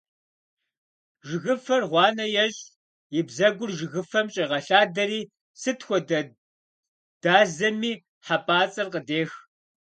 Жыгыфэр гъуанэ ещӀ, и бзэгур жыгыфэм щӀегъэлъадэри сыт хуэдэ дазэми хьэпӀацӀэр къыдех.